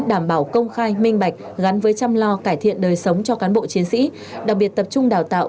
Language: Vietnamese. đảm bảo công khai minh bạch gắn với chăm lo cải thiện đời sống cho cán bộ chiến sĩ đặc biệt tập trung đào tạo